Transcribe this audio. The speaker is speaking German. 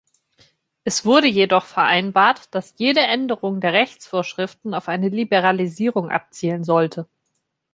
Es wurde jedoch vereinbart, dass jede Änderung der Rechtsvorschriften auf eine Liberalisierung abzielen sollte.